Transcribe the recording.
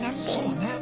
そうね。